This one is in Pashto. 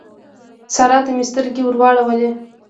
سارا ته مې سترګې ور واړولې.